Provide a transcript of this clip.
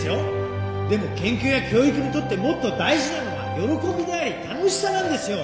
でも研究や教育にとってもっと大事なのは喜びであり楽しさなんですよ！